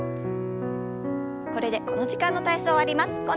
これでこの時間の体操終わります。